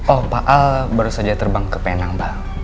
oh pak al baru saja terbang ke penang pak